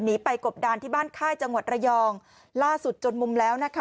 หนีไปกบดานที่บ้านค่ายจังหวัดระยองล่าสุดจนมุมแล้วนะคะ